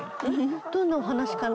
どんなお話かな？